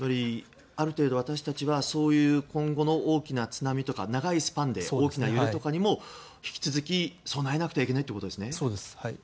ある程度、私たちはそういう今後の大きな津波とか、長いスパンで大きな揺れとかにも引き続き備えなくてはいけないということですね。